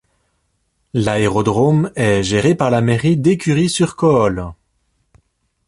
L’aérodrome est géré par la mairie d’Écury-sur-Coole.